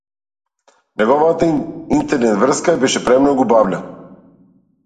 Неговата интернет-врска беше премногу бавна.